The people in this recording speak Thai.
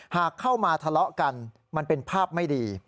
หากเข้ามาทะเลาะกันมันเป็นภาพไม่ดี